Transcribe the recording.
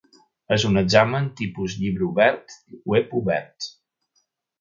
És un examen tipus "llibre obert, web obert".